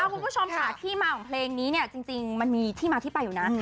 คุณผู้ชมค่ะที่มาของเพลงนี้เนี่ยจริงมันมีที่มาที่ไปอยู่นะ